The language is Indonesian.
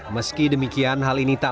meski demikian hal ini tak